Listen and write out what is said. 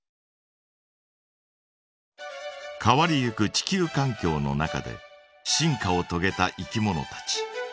変わりゆく地球かん境の中で進化をとげたいきものたち。